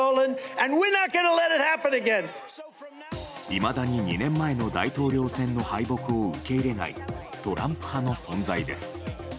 いまだに２年前の大統領選の敗北を受け入れないトランプ派の存在です。